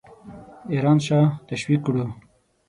ایران شاه تشویق کړو.